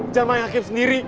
jangan main hakim sendiri